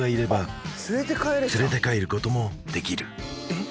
えっ？